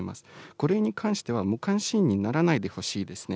これに関しては、無関心にならないでほしいですね。